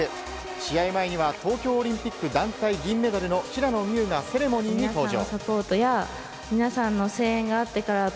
試合前には東京オリンピック団体銀メダルの平野美宇がセレモニーに登場。